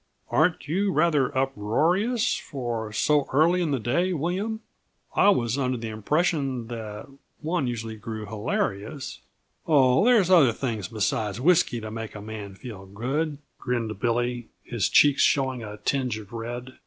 "Aren't you rather uproarious for so early in the day, William? I was under the impression that one usually grew hilarious " "Oh, there's other things besides whisky to make a man feel good," grinned Billy, his cheeks showing a tinge of red.